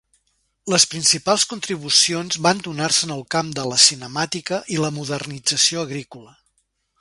Les principals contribucions van donar-se en el camp de la cinemàtica i la modernització agrícola.